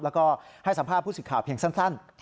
แล้วก็ให้สัมภาษณ์ผู้สิทธิ์ข่าวเพียงสั้น